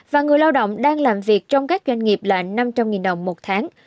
và người lao động đang làm việc trong các doanh nghiệp là năm trăm linh đồng một tháng